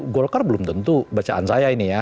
golkar belum tentu bacaan saya ini ya